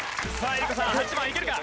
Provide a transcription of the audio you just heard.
江里子さん８番いけるか？